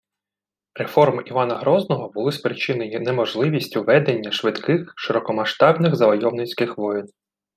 – Реформи Івана Грозного були спричинені неможливістю ведення швидких широкомасштабних завойовницьких воєн